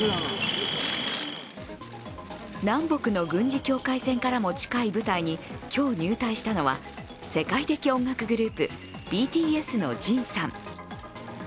南北の軍事境界線からも近い部隊に今日入隊したのは世界的音楽グループＢＴＳのＪＩＮさん。